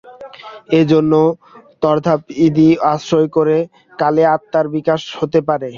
এইজন্য তীর্থাদি আশ্রয় করে কালে আত্মার বিকাশ হতে পারে।